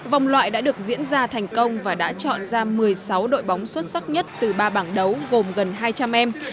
vòng loại đã được diễn ra thành công và đã chọn ra một mươi sáu đội bóng xuất sắc nhất từ ba bảng đấu gồm gần hai trăm linh em